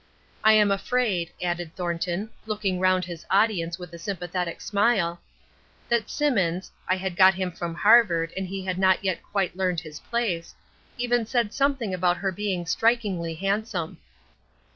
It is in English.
I am afraid," added Thornton, looking round his audience with a sympathetic smile, "that Simmons (I had got him from Harvard and he had not yet quite learned his place) even said something about her being strikingly handsome."